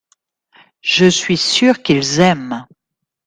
Je suis sûr qu’ils aiment.